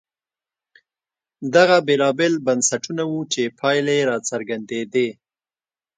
دغه بېلابېل بنسټونه وو چې پایلې یې راڅرګندېدې.